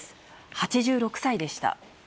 ８６歳でした。